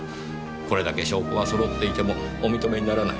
これだけ証拠が揃っていてもお認めにならない？